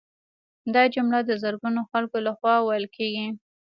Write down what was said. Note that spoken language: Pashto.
دا جمله د زرګونو خلکو لخوا ویل کیږي